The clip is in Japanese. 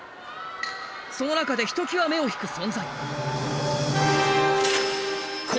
その中でひときわ目を引く存在。